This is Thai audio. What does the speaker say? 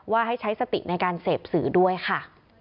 ให้ใช้สติในการเสพสื่อด้วยค่ะ